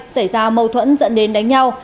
xảy ra mâu thuẫn dẫn đến đánh nhau